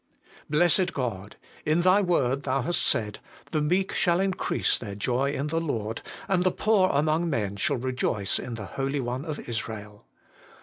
Blessed God, in Thy Word Thou hast said, ' The meek shall increase their joy in the Lord, and the poor among men shall rejoice in the Holy One of Israel.'